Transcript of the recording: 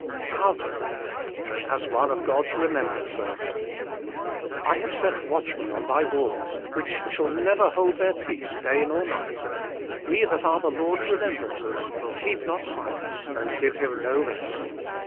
HOW TO PRAY. 3\.B one of ou s Henumbranccra "I have set watchmen on thy walls, which shall never hold their peace day nor night : ye that are the Lord s remembrancers, keep not silence, and give Him no rest."